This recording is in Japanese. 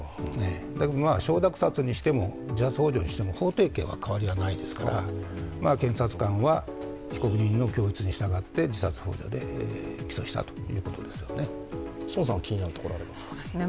承諾殺にしても自殺ほう助にしても法定刑には変わりはないですから検察官は被告人の供述に従って自殺ほう助で起訴したということですよね。